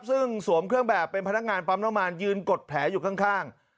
ซึ่งสวมเครื่องแบบเป็นพนักงานปั๊มน้ำมันยืนกดแผลอยู่ข้าง